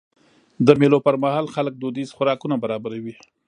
د مېلو پر مهال خلک دودیز خوراکونه برابروي.